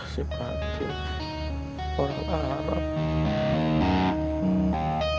siapa tuh orang arab